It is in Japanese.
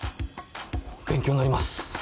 勉強になります。